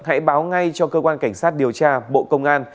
hãy báo ngay cho cơ quan cảnh sát điều tra bộ công an